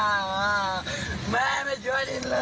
แม่มาช่วยดีกันแม่มาช่วยดีกัน